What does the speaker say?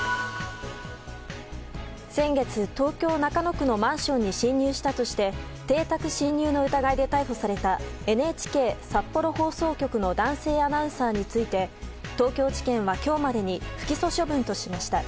先月、東京・中野区のマンションに侵入したとして邸宅侵入の疑いで逮捕されたＮＨＫ札幌放送局の男性アナウンサーについて東京地検は今日までに不起訴処分としました。